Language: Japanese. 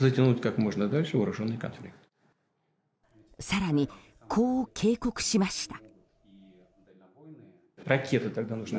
更に、こう警告しました。